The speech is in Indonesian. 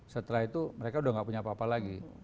setelah itu mereka udah gak punya apa apa lagi